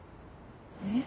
えっ？